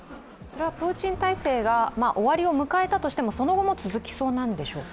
プーチン体制が終わりを迎えたとしてもその後も続きそうなんでしょうか？